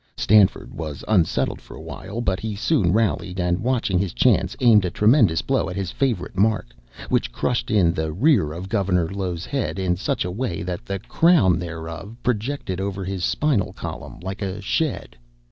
Stanford was unsettled for a while, but he soon rallied, and watching his chance, aimed a tremendous blow at his favorite mark, which crushed in the rear of Gov. Low's head in such a way that the crown thereof projected over his spinal column like a shed.